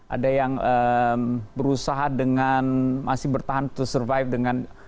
ada yang berusaha dengan masih bertahan to survive dengan